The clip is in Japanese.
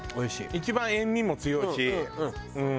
一番塩味も強いしうん。